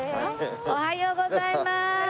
おはようございます。